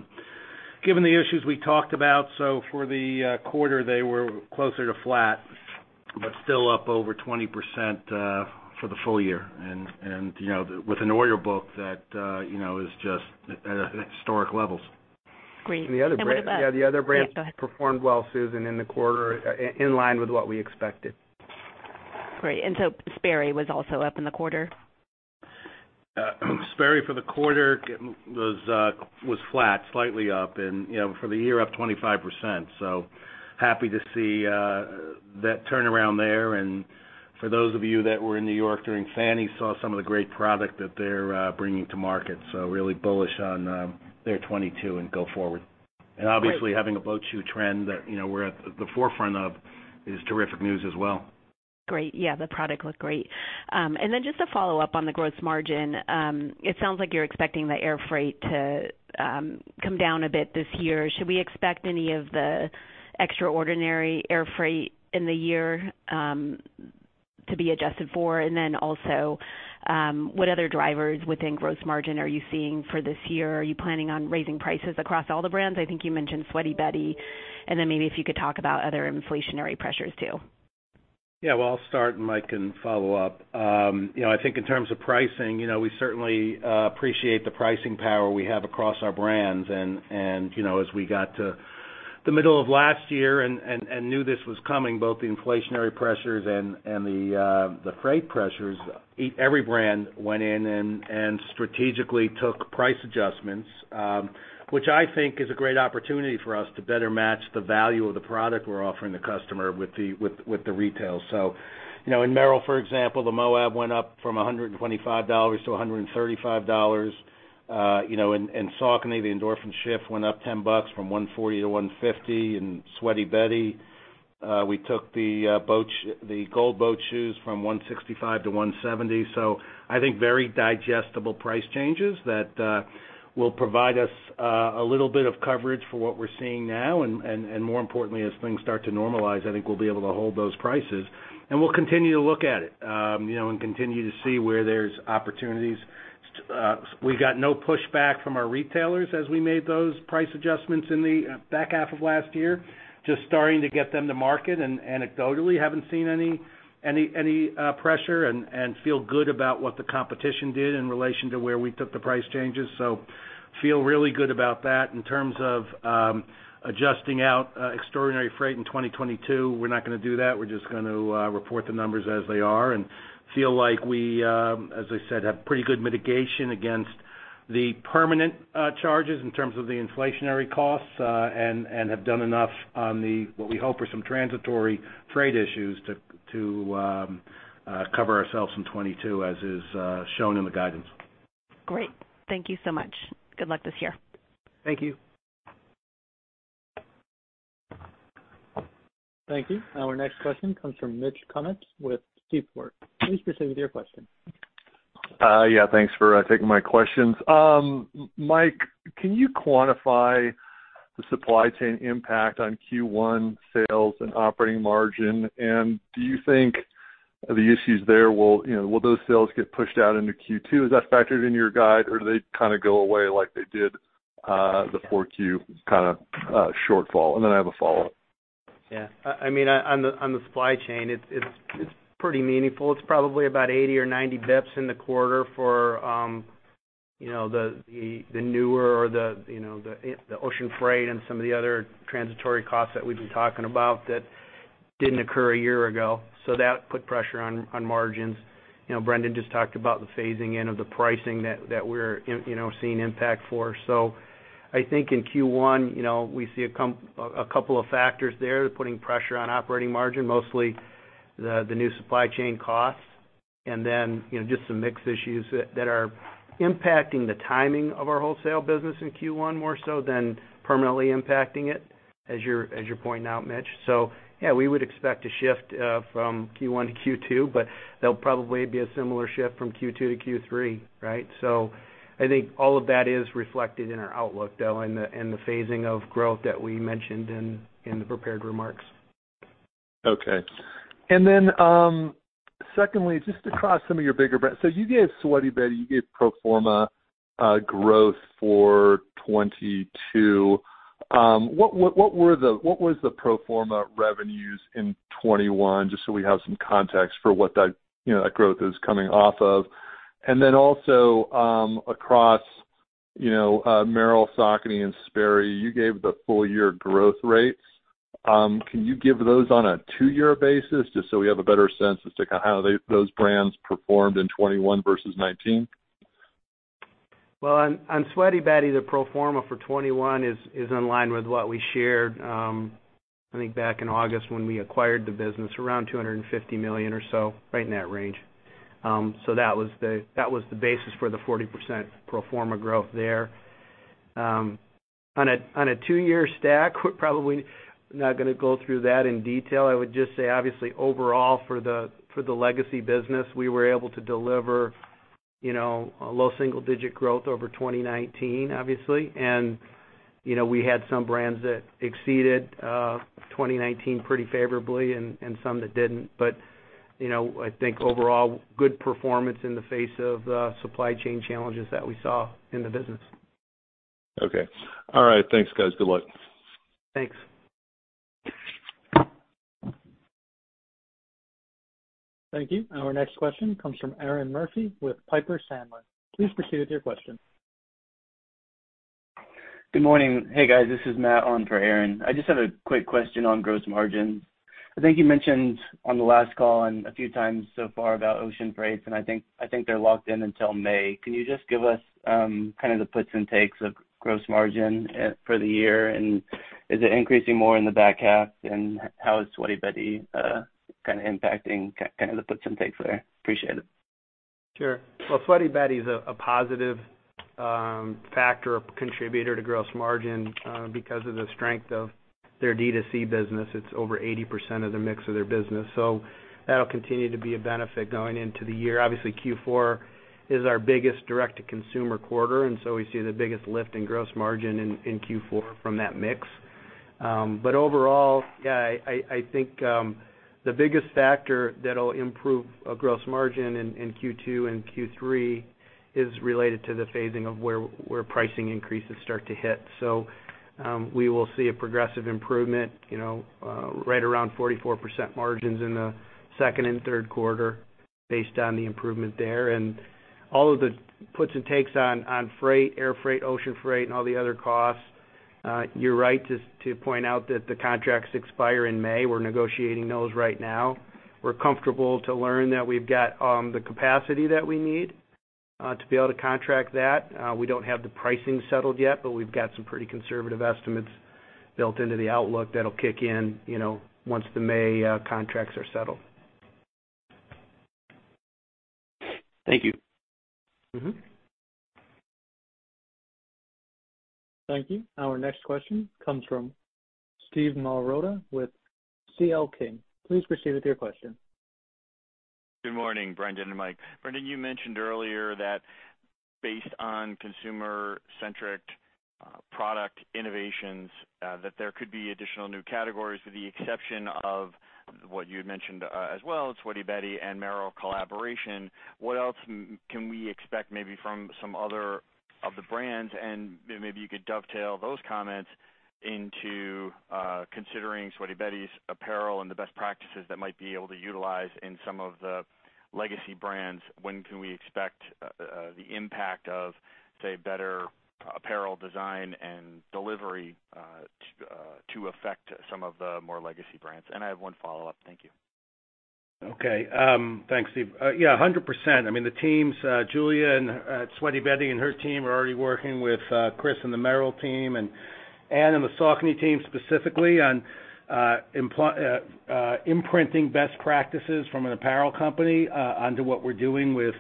issues we talked about. So for the quarter, they were closer to flat, but still up over 20% for the full year and you know, with an order book that you know, is just at historic levels. Great. What about- The other brands. Yes, go ahead. Yeah, the other brands performed well, Susan, in the quarter in line with what we expected. Great. Sperry was also up in the quarter? Sperry for the quarter was flat, slightly up and, you know, for the year up 25%. Happy to see that turnaround there. For those of you that were in New York during FFANY saw some of the great product that they're bringing to market, really bullish on their 2022 and go forward. Great. Obviously having a boat shoe trend that, you know, we're at the forefront of is terrific news as well. Great. Yeah, the product looked great. Just to follow up on the gross margin, it sounds like you're expecting the air freight to come down a bit this year. Should we expect any of the extraordinary air freight in the year to be adjusted for? Also, what other drivers within gross margin are you seeing for this year? Are you planning on raising prices across all the brands? I think you mentioned Sweaty Betty. Maybe if you could talk about other inflationary pressures too. Yeah. Well, I'll start, and Mike can follow up. You know, I think in terms of pricing, you know, we certainly appreciate the pricing power we have across our brands. You know, as we got to the middle of last year and knew this was coming, both the inflationary pressures and the freight pressures, every brand went in and strategically took price adjustments, which I think is a great opportunity for us to better match the value of the product we're offering the customer with the retail. You know, in Merrell, for example, the Moab went up from $125-$135. You know, in Saucony, the Endorphin Shift went up $10 from $140-$150. In Sweaty Betty, we took the gold boat shoes from $165-$170. I think very digestible price changes that will provide us a little bit of coverage for what we're seeing now. More importantly, as things start to normalize, I think we'll be able to hold those prices. We'll continue to look at it, you know, and continue to see where there's opportunities. We got no pushback from our retailers as we made those price adjustments in the back half of last year. Just starting to get them to market and anecdotally haven't seen any pressure and feel good about what the competition did in relation to where we took the price changes. Feel really good about that. In terms of adjusting out extraordinary freight in 2022, we're not gonna do that. We're just gonna report the numbers as they are and feel like we, as I said, have pretty good mitigation against the permanent charges in terms of the inflationary costs, and have done enough on what we hope are some transitory freight issues to cover ourselves in 2022, as is shown in the guidance. Great. Thank you so much. Good luck this year. Thank you. Thank you. Our next question comes from Mitch Kummetz with Seaport. Please proceed with your question. Yeah, thanks for taking my questions. Mike, can you quantify the supply chain impact on Q1 sales and operating margin? Do you think the issues there will, you know, those sales get pushed out into Q2? Is that factored into your guide, or do they kinda go away like they did The Q4 kind of shortfall, and then I have a follow-up. Yeah. I mean, on the supply chain, it's pretty meaningful. It's probably about 80 or 90 basis points in the quarter for, you know, the newer or the ocean freight and some of the other transitory costs that we've been talking about that didn't occur a year ago. So that put pressure on margins. You know, Brendan just talked about the phasing in of the pricing that we're seeing impact for. So I think in Q1, you know, we see a couple of factors there putting pressure on operating margin, mostly the new supply chain costs. And then, you know, just some mix issues that are impacting the timing of our wholesale business in Q1 more so than permanently impacting it, as you're pointing out, Mitch. Yeah, we would expect a shift from Q1 to Q2, but there'll probably be a similar shift from Q2 to Q3, right? I think all of that is reflected in our outlook, though, in the phasing of growth that we mentioned in the prepared remarks. Okay. Secondly, just across some of your bigger brands. You gave Sweaty Betty, you gave pro forma growth for 2022. What was the pro forma revenues in 2021? Just so we have some context for what that, you know, that growth is coming off of. Across, you know, Merrell, Saucony, and Sperry, you gave the full year growth rates. Can you give those on a two-year basis, just so we have a better sense as to how those brands performed in 2021 versus 2019? Well, on Sweaty Betty, the pro forma for 2021 is in line with what we shared, I think back in August when we acquired the business, around $250 million or so, right in that range. That was the basis for the 40% pro forma growth there. On a two-year stack, we're probably not gonna go through that in detail. I would just say obviously overall for the legacy business, we were able to deliver, you know, low single-digit growth over 2019, obviously. You know, we had some brands that exceeded 2019 pretty favorably and some that didn't. You know, I think overall, good performance in the face of supply chain challenges that we saw in the business. Okay. All right. Thanks, guys. Good luck. Thanks. Thank you. Our next question comes from Erinn Murphy with Piper Sandler. Please proceed with your question. Good morning. Hey, guys. This is Matt on for Erinn Murphy. I just have a quick question on gross margins. I think you mentioned on the last call and a few times so far about ocean freights, and I think they're locked in until May. Can you just give us kind of the puts and takes of gross margin for the year? Is it increasing more in the back half? How is Sweaty Betty kind of impacting kind of the puts and takes there? Appreciate it. Sure. Well, Sweaty Betty is a positive factor or contributor to gross margin because of the strength of their D2C business. It's over 80% of the mix of their business. That'll continue to be a benefit going into the year. Obviously, Q4 is our biggest direct-to-consumer quarter, and we see the biggest lift in gross margin in Q4 from that mix. But overall, yeah, I think the biggest factor that'll improve gross margin in Q2 and Q3 is related to the phasing of where pricing increases start to hit. We will see a progressive improvement, you know, right around 44% margins in the second and third quarter based on the improvement there. All of the puts and takes on freight, air freight, ocean freight, and all the other costs, you're right to point out that the contracts expire in May. We're negotiating those right now. We're comfortable to learn that we've got the capacity that we need to be able to contract that. We don't have the pricing settled yet, but we've got some pretty conservative estimates built into the outlook that'll kick in, you know, once the May contracts are settled. Thank you. Mm-hmm. Thank you. Our next question comes from Steven Marotta with C.L. King. Please proceed with your question. Good morning, Brendan and Mike. Brendan, you mentioned earlier that based on consumer-centric product innovations that there could be additional new categories with the exception of what you had mentioned as well, Sweaty Betty and Merrell collaboration. What else can we expect maybe from some of the other brands? Maybe you could dovetail those comments into considering Sweaty Betty's apparel and the best practices that might be able to utilize in some of the legacy brands. When can we expect the impact of, say, better apparel design and delivery to affect some of the more legacy brands? I have one follow-up. Thank you. Okay. Thanks, Steve. Yeah, 100%. I mean, the teams, Julia and Sweaty Betty and her team are already working with Chris and the Merrell team, and Anne and the Saucony team specifically on imprinting best practices from an apparel company onto what we're doing with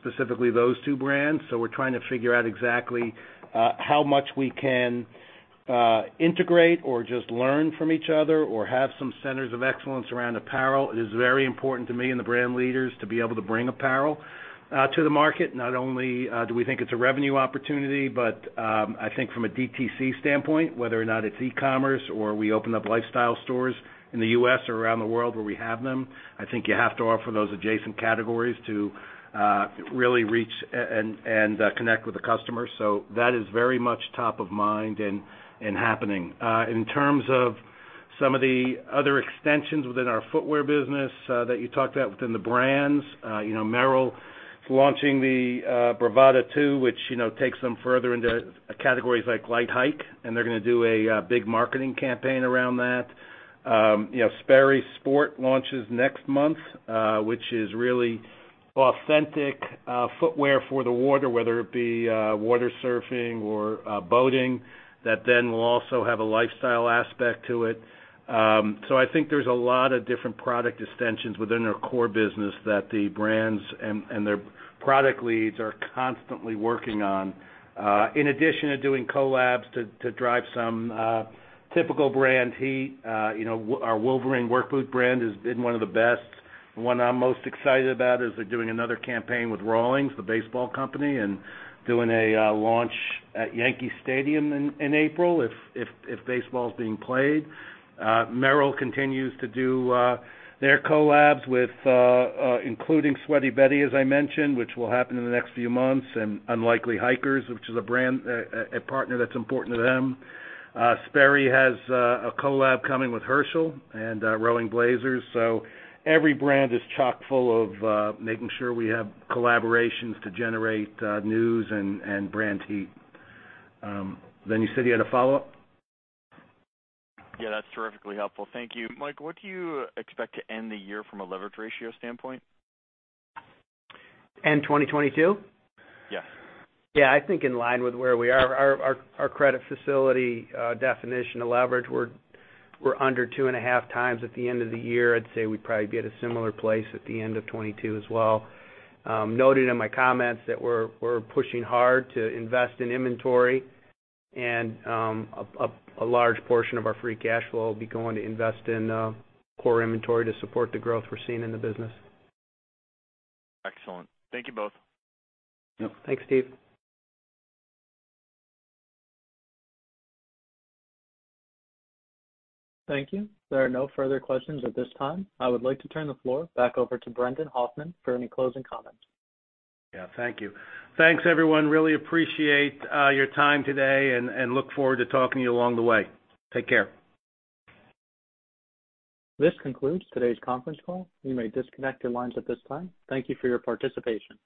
specifically those two brands. We're trying to figure out exactly how much we can integrate or just learn from each other or have some centers of excellence around apparel. It is very important to me and the brand leaders to be able to bring apparel. To the market, not only do we think it's a revenue opportunity, but I think from a DTC standpoint, whether or not it's e-commerce or we open up lifestyle stores in the U.S. or around the world where we have them, I think you have to offer those adjacent categories to really reach and connect with the customers. So that is very much top of mind and happening. In terms of some of the other extensions within our footwear business, that you talked about within the brands, you know, Merrell is launching the Bravada 2, which, you know, takes them further into categories like light hike, and they're gonna do a big marketing campaign around that. You know, Sperry Sport launches next month, which is really authentic footwear for the water, whether it be water surfing or boating. That then will also have a lifestyle aspect to it. So I think there's a lot of different product extensions within our core business that the brands and their product leads are constantly working on. In addition to doing collabs to drive some typical brand heat, you know, our Wolverine work boot brand has been one of the best. One I'm most excited about is they're doing another campaign with Rawlings, the baseball company, and doing a launch at Yankee Stadium in April if baseball is being played. Merrell continues to do their collabs with, including Sweaty Betty, as I mentioned, which will happen in the next few months, and Unlikely Hikers, which is a brand, a partner that's important to them. Sperry has a collab coming with Herschel and Rowing Blazers. Every brand is chock-full of making sure we have collaborations to generate news and brand heat. You said you had a follow-up? Yeah, that's terrifically helpful. Thank you. Mike, what do you expect to end the year from a leverage ratio standpoint? End 2022? Yes. Yeah, I think in line with where we are. Our credit facility definition of leverage, we're under 2.5x at the end of the year. I'd say we'd probably be at a similar place at the end of 2022 as well. Noted in my comments that we're pushing hard to invest in inventory and a large portion of our free cash flow will be going to invest in core inventory to support the growth we're seeing in the business. Excellent. Thank you both. Yep. Thanks, Steve. Thank you. There are no further questions at this time. I would like to turn the floor back over to Brendan Hoffman for any closing comments. Yeah, thank you. Thanks, everyone. Really appreciate your time today and look forward to talking to you along the way. Take care. This concludes today's conference call. You may disconnect your lines at this time. Thank you for your participation.